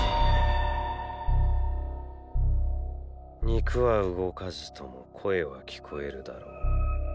肉は動かずとも声は聞こえるだろう。